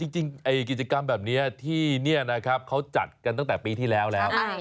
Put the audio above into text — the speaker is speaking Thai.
จริงกิจกรรมแบบนี้ที่นี่นะครับเขาจัดกันตั้งแต่ปีที่แล้วแล้ว